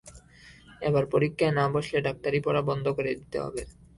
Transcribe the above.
এবার পরীক্ষায় না বসলে ডাক্তারি পড়া বন্ধ করে দিতে হবে।